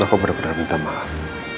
aku benar benar minta maaf